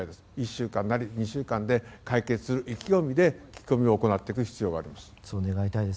１週間なり２週間で解決する意気込みで聞き込みを行っていく必要があります。